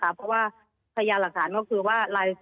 เพราะว่าพยานหลักฐานก็คือว่า